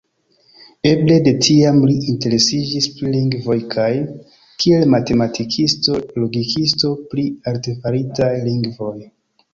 Eble de tiam li interesiĝis pri lingvoj kaj, kiel matematikisto-logikisto, pri artefaritaj lingvoj.